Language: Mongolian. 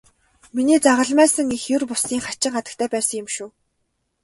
Миний загалмайлсан эх ер бусын хачин хатагтай байсан юм шүү.